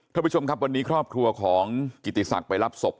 ท่านผู้ชมครับวันนี้ครอบครัวของกิติศักดิ์ไปรับศพ